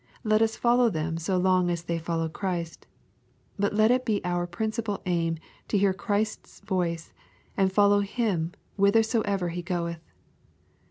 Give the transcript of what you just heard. Let us follow them so long as they follow Christ. But let it be our principal aim to hear Christ's voice, and follow Him whithersoever He goeth.